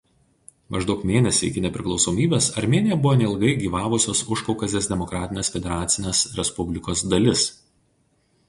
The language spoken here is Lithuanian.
Maždaug mėnesį iki nepriklausomybės Armėnija buvo neilgai gyvavusios Užkaukazės Demokratinės Federacinės Respublikos dalis.